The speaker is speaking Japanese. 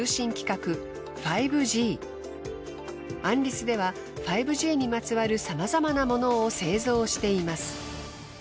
アンリツでは５Ｇにまつわるさまざまなものを製造しています。